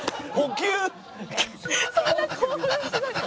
そんな興奮しなくて。